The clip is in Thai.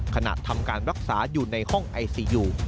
ทำการรักษาอยู่ในห้องไอซียู